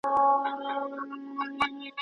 ایا پوهېږې چي د لارښود استاد دنده څه ده؟